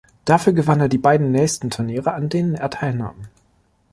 Dafür gewann er die beiden nächsten Turniere an denen er teilnahm.